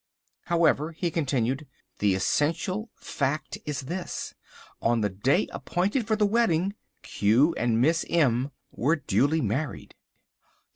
"However," he continued, "the essential fact is this: on the day appointed for the wedding, Q and Miss M were duly married."